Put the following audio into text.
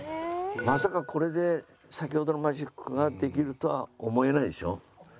まさかこれで先ほどのマジックができるとは思えないでしょ？